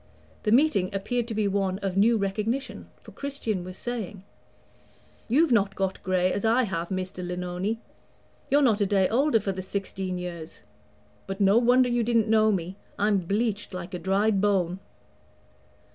The meeting appeared to be one of new recognition, for Christian was saying: "You've not got gray, as I have, Mr. Lenoni; you're not a day older for the sixteen years. But no wonder you didn't know me; I'm bleached like a dried bone."